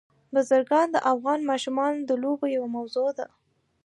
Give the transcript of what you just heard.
بزګان د افغان ماشومانو د لوبو یوه موضوع ده.